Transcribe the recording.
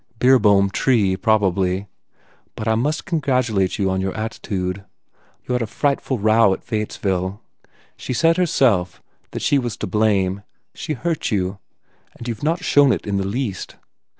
Beerbohm Tree, probably. But I must congratulate you on your attitude. You had a frightful row at Fay ettesville. She said, herself, that she was to blame. She hurt you. And you ve not shown it in the least."